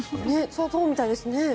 そうみたいですね。